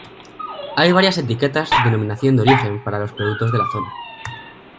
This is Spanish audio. Hay varias etiquetas Denominación de Origen para los productos de la zona.